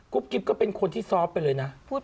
กิ๊บก็เป็นคนที่ซอฟต์ไปเลยนะ